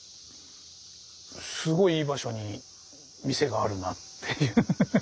すごいいい場所に店があるなっていう。